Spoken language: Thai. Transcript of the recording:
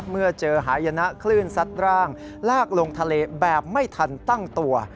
เมื่อเจอหายนะคลื่นซัดร่างลากลงทะเลแบบไม่ทันตั้งตัว